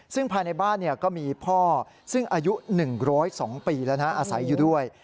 ซึ่งภายในบ้านก็มีพ่อซึ่งอายุ๑๐๒ปีแล้วนะอาศัยอยู่ด้วย